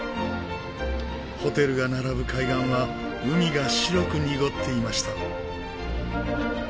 ホテルが並ぶ海岸は海が白く濁っていました。